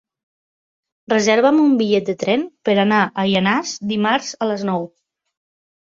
Reserva'm un bitllet de tren per anar a Llanars dimarts a les nou.